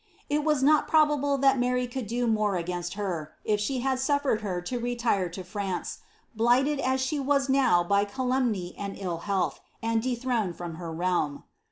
It was not probable that Mary could do more against her, if she had suf fered her to retire to France, blighted as she was now by calumny and ill health, and dethroned from her realm.